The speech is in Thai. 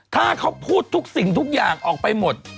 ถ้าเขาพูดทุกสิ่งทุกอย่างออกไปหมด